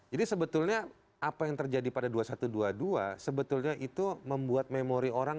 jadi sebetulnya apa yang terjadi pada tahun dua satu dua sebetulnya itu membuat memori orang